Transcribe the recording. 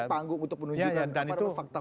panggung untuk menunjukkan apa apa fakta fakta